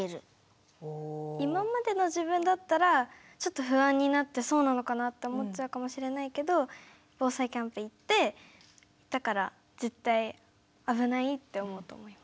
今までの自分だったらちょっと不安になってそうなのかなと思っちゃうかもしれないけど防災キャンプ行ってだから絶対危ないって思うと思います。